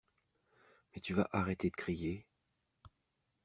Mais tu vas arrêter de crier?!